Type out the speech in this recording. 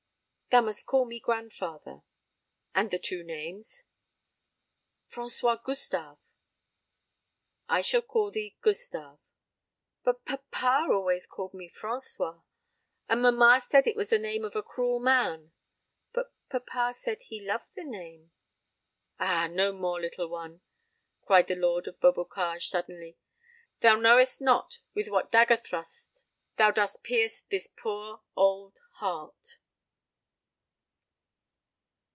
"Thou must call me grandfather. And the two names?" "François Gustave." "I shall call thee Gustave." "But papa always called me François, and mamma said it was the name of a cruel man; but papa said he loved the name " "Ah, no more, little one!" cried the lord of Beaubocage suddenly; "thou knowest not with what dagger thrusts thou dost pierce this poor old heart."